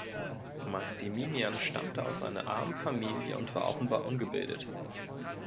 Maximian stammte aus einer armen Familie und war offenbar ungebildet.